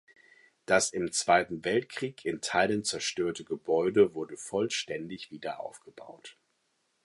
Das im Zweiten Weltkrieg in Teilen zerstörte Gebäude wurde vollständig wiederaufgebaut.